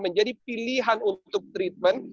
menjadi pilihan untuk treatment